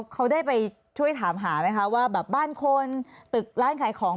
เขาได้ไปช่วยถามหาไหมคะว่าแบบบ้านคนตึกร้านขายของ